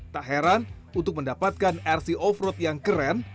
tak heran untuk mendapatkan rc offroad yang keren